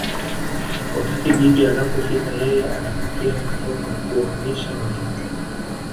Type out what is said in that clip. Wakati bibi inapofika yeye anapokea mtoto kuwaonyesha watoto